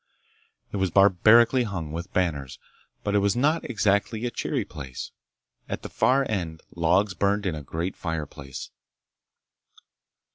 It was barbarically hung with banners, but it was not exactly a cheery place. At the far end logs burned in a great fireplace.